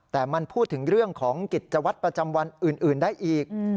แต่มันพูดถึงเรื่องของกิจวัตรประจำวันอื่นได้อีก